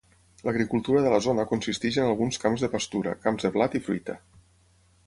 L'agricultura de la zona consisteix en alguns camps de pastura, camps de blat i fruita.